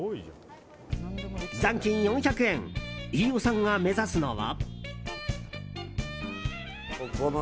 残金４００円飯尾さんが目指すのは。